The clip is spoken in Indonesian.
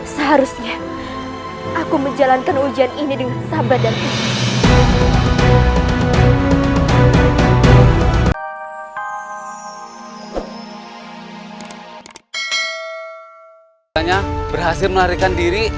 seharusnya aku menjalankan ujian ini dengan sabar dan kebenaran